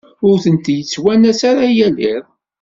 Ur tent-yettwanas ara yal iḍ.